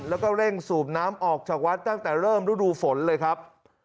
แล้วก็เร่งสูบน้ำออกจากวัดตั้งแต่เริ่มฤดูฝนเลยครับ